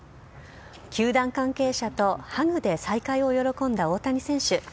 球団関係者とハグで再会を喜んだ大谷選手。